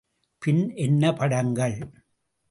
பின் என்ன படங்கள்?